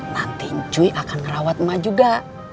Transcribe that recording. nanti ncuy akan ngerawat emak juga